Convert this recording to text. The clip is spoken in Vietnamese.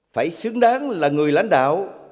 phải xứng đáng là người lãnh đạo